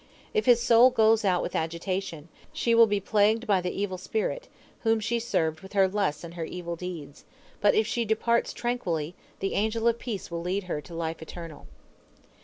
If his soul goes out with agitation, she will be plagued by the evil spirit, whom she served with her lusts and her evil deeds; but if she departs tranquilly, the angel of peace will lead her to life eternal.